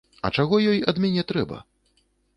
А чаго ёй ад мяне трэба?